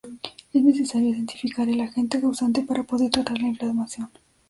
Es necesario identificar el agente causante para poder tratar la inflamación.